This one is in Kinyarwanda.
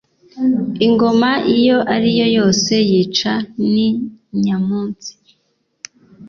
Ingoma iyo ariyo yose yica ni nyamunsi.